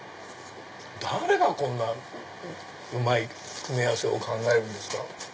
誰がこんなうまい組み合わせを考えるんですか？